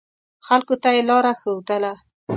خلکو ته یې لاره ښودله.